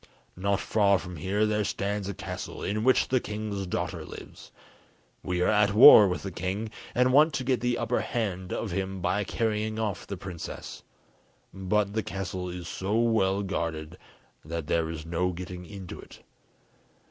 Not far from here there stands a castle, in which the king's daughter lives; we are at war with the king, and want to get the upper hand of him by carrying off the princess, but the castle is so well guarded that there is no getting into it.